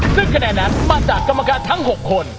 ซึ่งคะแนนนั้นมาจากกรรมการทั้ง๖คน